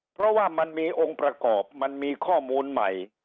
เพราะว่ามันมีองค์ประกอบมันมีข้อมูลใหม่